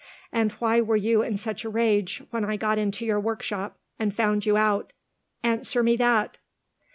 And why were you in such a rage when I got into your workshop, and found you out? Answer me that!"